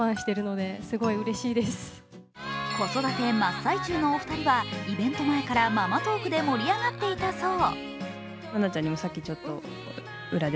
子育て真っ最中のお二人はイベント前からママトークで盛り上がっていたそう。